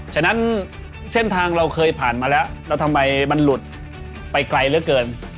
ฉะนั้นเส้นทางเราเคยผ่านมาแล้วแล้วทำไมมันหลุดไปไกลเหลือเกิน